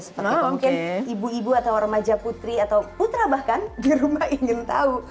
seperti mungkin ibu ibu atau remaja putri atau putra bahkan di rumah ingin tahu